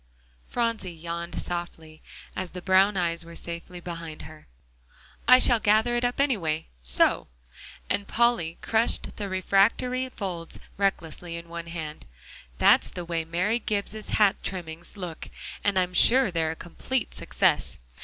Phronsie yawned softly as the brown eyes were safely behind her. "I shall gather it up anyway, so," and Polly crushed the refractory folds recklessly in one hand; "that's the way Mary Gibbs's hat trimmings look, and I'm sure they're a complete success.